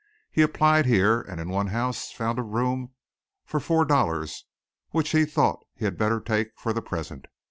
He applied here and in one house found a room for four dollars which he thought he had better take for the present.